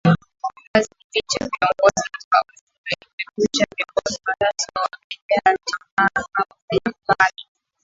Kizazi hiki cha viongozi wa Uhuru kimekwisha Viongozi wa sasa wamejaa tamaa ya mali